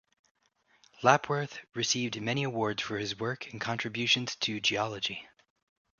Lapworth received many awards for his work and contributions to geology.